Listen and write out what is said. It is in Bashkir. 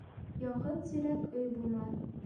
Яңғыҙ тирәк өй булмаҫ